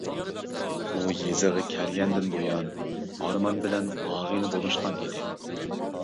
ئۇ يېزىغا كەلگەندىن بۇيان ئارمان بىلەن ئاغىنە بولۇشقان ئىدى.